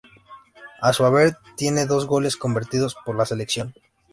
A su haber tiene dos goles convertidos por la selección.